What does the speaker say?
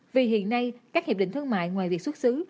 vì hiện nay các hiệp định thương mại ngoài việc xuất xứ